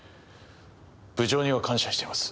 部長には感謝しています。